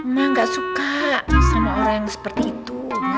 ma gak suka sama orang yang seperti itu ma